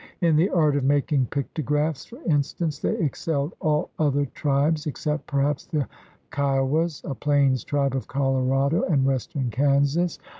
In the art of making pictographs, for instance, they excelled all other tribes, except perhaps the Kjowas, a plains tribe of Colorado and western Kansas.